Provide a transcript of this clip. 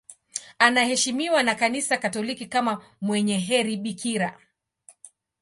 Anaheshimiwa na Kanisa Katoliki kama mwenye heri bikira.